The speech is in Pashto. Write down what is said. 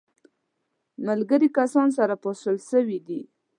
ملګري کسان سره پاشل سوي دي.